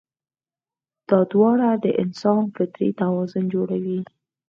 دا دواړه د انسان فطري توازن جوړوي.